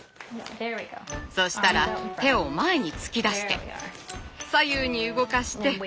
そしたら手を前に突き出して左右に動かして手を振ってご挨拶。